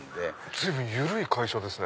随分緩い会社ですね。